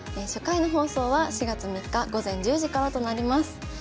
初回の放送は４月３日午前１０時からとなります。